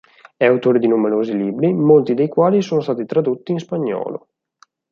È autore di numerosi libri, molti dei quali sono stati tradotti in spagnolo.